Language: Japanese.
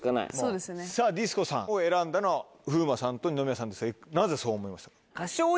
ディスコさんを選んだのは風磨さんと二宮さんですがなぜそう思いました？